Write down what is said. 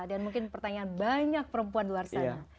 dan mungkin pertanyaan banyak perempuan luar sana